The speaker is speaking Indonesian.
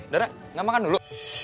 darah enggak makan dulu